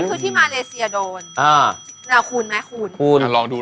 นั่นคือที่มาเลเซียโดนคูณไหมคูณ